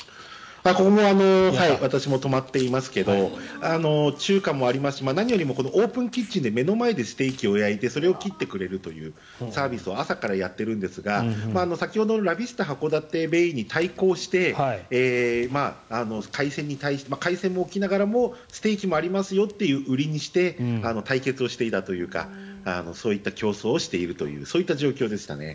ここも私も泊まっていますが中華もありますし何よりもオープンキッチンで目の前でステーキを焼いてそれを切ってくれるというサービスを朝からやってるんですが先ほどのラビスタ函館ベイに対抗して海鮮も置きながらもステーキもありますよと売りにして対決をしているというかそういった競争をしているという状況でしたね。